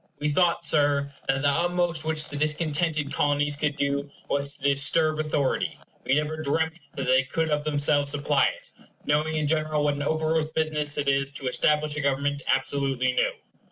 We thought, Sir, that the utmost which the discontented Colonies could do was to disturb authority; we never dreamt they could of themselves supply it knowing in general what an operose business it is to establish a government absolutely new.